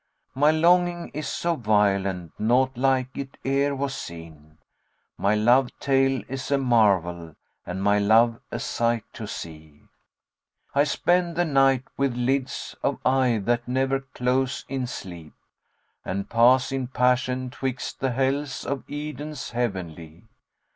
My longing is so violent naught like it ere was seen; * My love tale is a marvel and my love a sight to see: I spend the night with lids of eye that never close in sleep, * And pass in passion twixt the Hells and Edens heavenly.